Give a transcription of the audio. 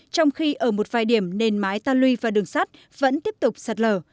trong khi ở một vài điểm nền mái ta luy và đường sắt vẫn tiếp tục sạt lở